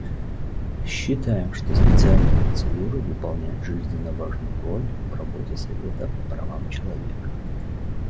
Считаем, что специальные процедуры выполняют жизненно важную роль в работе Совета по правам человека.